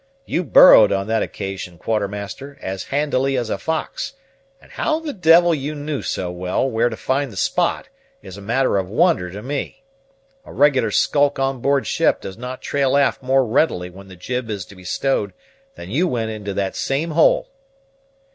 You burrowed on that occasion, Quartermaster, as handily as a fox; and how the d l you knew so well where to find the spot is a matter of wonder to me. A regular skulk on board ship does not trail aft more readily when the jib is to be stowed, than you went into that same hole."